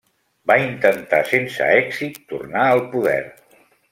Va intentar sense èxit tornar al poder.